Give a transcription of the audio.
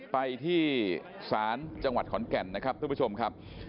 ไปที่ศาลจังหวัดขอนแก่นนะครับทุกผู้ชมครับ